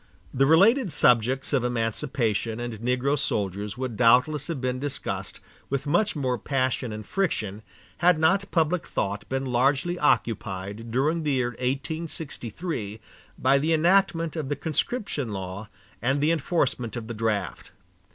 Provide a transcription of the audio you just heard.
The related subjects of emancipation and negro soldiers would doubtless have been discussed with much more passion and friction, had not public thought been largely occupied during the year 1863 by the enactment of the conscription law and the enforcement of the draft.